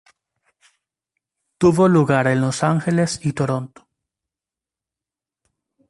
Tuvo lugar en Los Ángeles y Toronto.